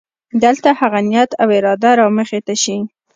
دلته هغه نیت او اراده رامخې ته شي.